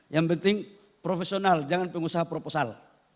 yang penting profesional jangan pengusaha proposal